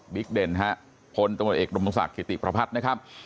วิกเด่นฮะพลตำรวจเอกดำรงศักดิ์กิติประพัทธ์นะครับ